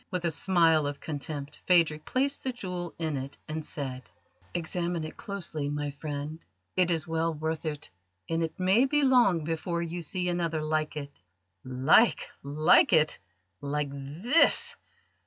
With a smile of contempt Phadrig placed the jewel in it, and said: "Examine it closely, my friend. It is well worth it, and it may be long before you see another like it." "Like like it, like this!